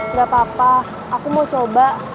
gak papa aku mau coba